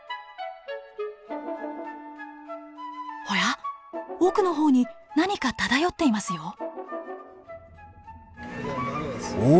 おや奥の方に何か漂っていますよ。